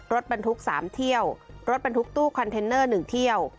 รถบรรทุก๓เที่ยวรถบรรทุกตู้คอนเทนเนอร์๑เที่ยว